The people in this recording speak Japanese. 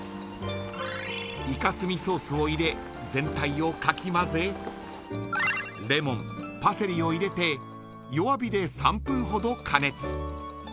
イカ墨ソースを入れ全体をかき混ぜレモン、パセリを入れて弱火で３分ほど加熱。